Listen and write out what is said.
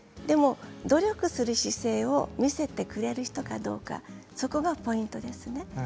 でも努力する姿勢を見せてくれる人かどうかそこがポイントですね。